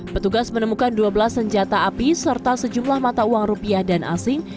petugas menemukan dua belas senjata api serta sejumlah mata uang rupiah dan asing